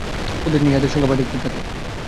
প্রতিদিন ইহাদের সংখ্যা বাড়িতে থাকে।